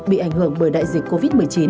bị ảnh hưởng bởi đại dịch covid một mươi chín